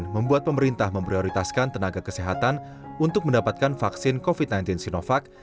membuat pemerintah memprioritaskan tenaga kesehatan untuk mendapatkan vaksin covid sembilan belas sinovac